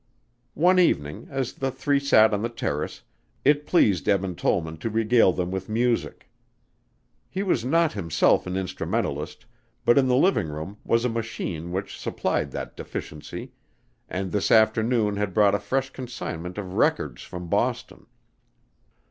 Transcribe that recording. One evening as the three sat on the terrace, it pleased Eben Tollman to regale them with music. He was not himself an instrumentalist, but in the living room was a machine which supplied that deficiency, and this afternoon had brought a fresh consignment of records from Boston.